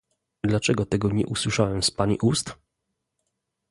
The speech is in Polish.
Dlaczego tego nie usłyszałem z Pani ust?